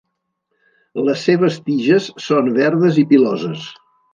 Les seves tiges són verdes i piloses.